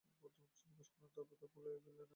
তারপর তা তুলে ফেললেন আর তার সামনের দাঁতটি পড়ে গেল।